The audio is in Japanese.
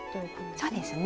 そうですね。